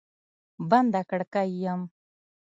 بنده کړکۍ یم